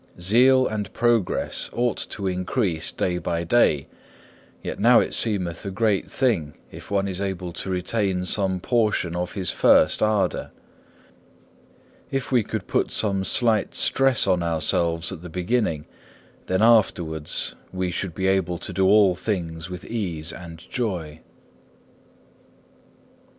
Zeal and progress ought to increase day by day; yet now it seemeth a great thing if one is able to retain some portion of his first ardour. If we would put some slight stress on ourselves at the beginning, then afterwards we should be able to do all things with ease and joy. 6.